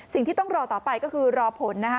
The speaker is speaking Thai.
สิ่งที่ต้องรอต่อไปก็คือรอผลนะคะ